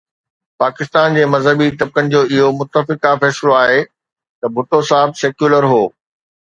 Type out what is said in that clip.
پاڪستان جي مذهبي طبقن جو اهو متفقه فيصلو آهي ته ڀٽو صاحب سيڪيولر هو.